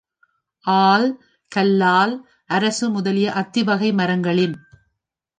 all, கல்லால், அரசு முதலிய அத்திவகை மரங்களின்